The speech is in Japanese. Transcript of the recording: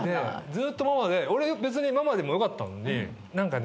ずっとママで俺別にママでもよかったのに何かね